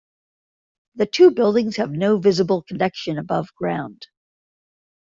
The two buildings have no visible connection above ground.